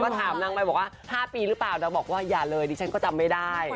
ก็ถามนางไปบอกว่า๕ปีหรือเปล่านางบอกว่าอย่าเลยดิฉันก็จำไม่ได้